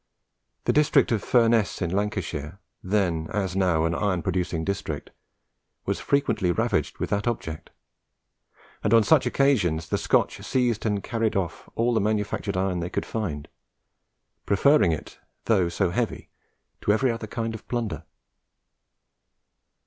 The district of Furness in Lancashire then as now an iron producing district was frequently ravaged with that object; and on such occasions the Scotch seized and carried off all the manufactured iron they could find, preferring it, though so heavy, to every other kind of plunder.